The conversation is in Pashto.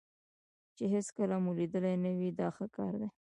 چې هېڅکله مو لیدلی نه وي دا ښه کار دی.